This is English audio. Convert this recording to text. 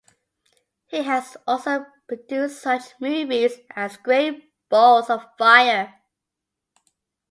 He has also produced such movies as Great Balls of Fire!